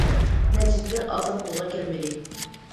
نەتىجىلەر ئاسان قولغا كەلمىدى.